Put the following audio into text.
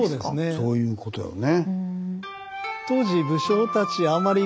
そういうことよね。